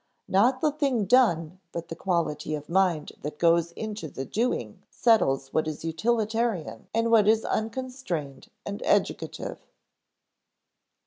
Not the thing done but the quality of mind that goes into the doing settles what is utilitarian and what is unconstrained and educative.